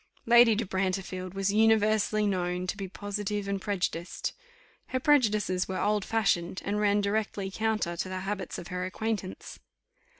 Lady de Brantefield was universally known to be positive and prejudiced. Her prejudices were all old fashioned, and ran directly counter to the habits of her acquaintance.